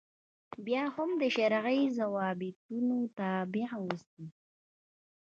بیا هم د شرعي ضوابطو تابع اوسي.